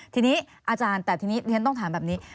ทีนี้อาจารย์แต่ทีนี้เรียนต้องถามแบบนี้